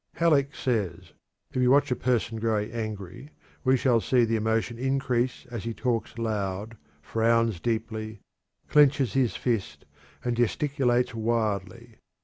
Halleck says: "If we watch a person growing angry, we shall see the emotion increase as he talks loud, frowns deeply, clinches his fist, and gesticulates wildly.